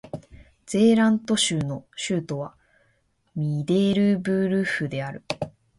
ゼーラント州の州都はミデルブルフである